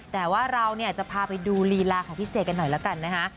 แต่ว่าเราเนี่ยจะพาไปดูลีลาของพี่เสกกันหน่อยแล้วกันนะคะ